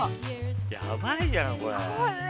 ヤバいじゃんこれ。